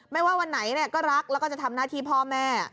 ไม่ว่าวันไหนก็รักแล้วก็จะทำหน้าที่พ่อแม่